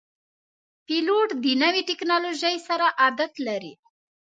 پیلوټ د نوي ټکنالوژۍ سره عادت لري.